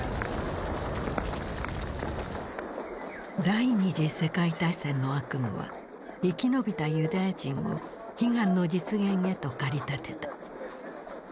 第二次世界大戦の悪夢は生き延びたユダヤ人を悲願の実現へと駆り立てた。